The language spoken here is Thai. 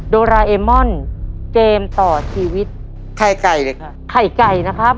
โดราเอมอนเกมต่อชีวิตไข่ไก่เลยค่ะไข่ไก่นะครับ